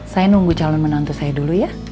saya nunggu calon menantu saya dulu ya